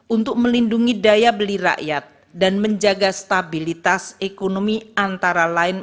untuk melindungi daya beli rakyat dan menjaga stabilitas ekonomi antara lain